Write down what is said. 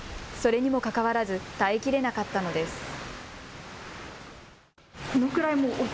それにもかかわらず耐えきれなかったのです。